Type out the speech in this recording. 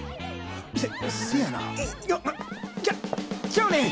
せせやなあっちゃちゃうねん！